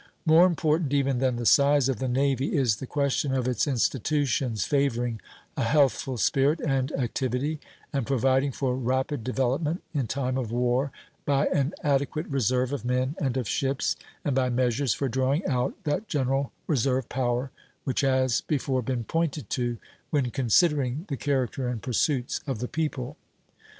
More important even than the size of the navy is the question of its institutions, favoring a healthful spirit and activity, and providing for rapid development in time of war by an adequate reserve of men and of ships and by measures for drawing out that general reserve power which has before been pointed to, when considering the character and pursuits of the people.